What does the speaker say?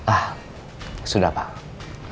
ah sudah pak